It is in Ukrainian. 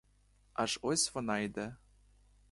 Аж ось вона йде.